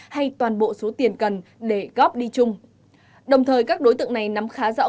hay toàn bộ số tiền cần để góp đi chung đồng thời các đối tượng này nắm khá rõ